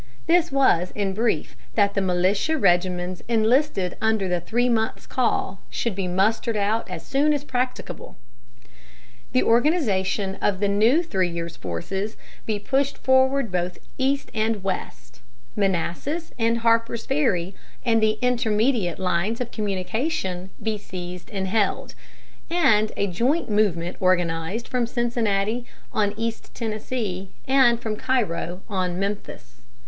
This was, in brief, that the militia regiments enlisted under the three months' call should be mustered out as soon as practicable; the organization of the new three years' forces be pushed forward both east and west; Manassas and Harper's Ferry and the intermediate lines of communication be seized and held; and a joint movement organized from Cincinnati on East Tennessee, and from Cairo on Memphis.